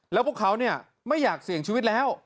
แล้วพวกเขาไม่อยากเสี่ยงชีวิตแล้ว